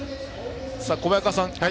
小早川さん